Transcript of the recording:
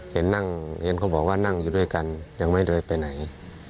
เห็นนั่งเห็นเขาบอกว่านั่งอยู่ด้วยกันยังไม่เดินไปไหน